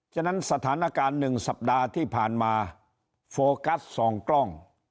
ฉะนั้นสถานการณ์๑สัปดาห์ที่ผ่านมาโฟกัส๒กล้อง